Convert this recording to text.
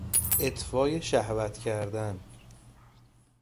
اطفای شهوت کردن